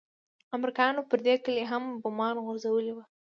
امريکايانو پر دې کلي هم بمان غورځولي وو.